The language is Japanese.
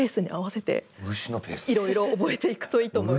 いろいろ覚えていくといいと思います。